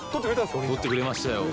取ってくれましたよ。